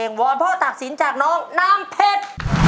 ก็ตักศีลจากน้องนามเผ็ด